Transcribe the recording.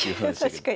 確かに。